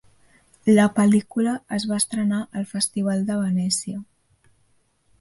La pel·lícula es va estrenar al Festival de Venècia.